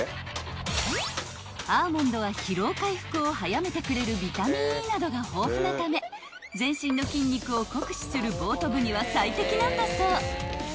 ［アーモンドは疲労回復を早めてくれるビタミンＥなどが豊富なため全身の筋肉を酷使するボート部には最適なんだそう］